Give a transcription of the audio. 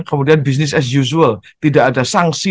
kemudian business as usual tidak ada sanksi